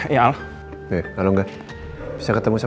ya gak udah udah